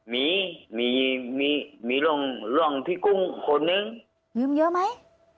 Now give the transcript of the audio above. มีมีมีมีมีร่วงร่วงพี่กุ้งคนหนึ่งยืมเยอะไหม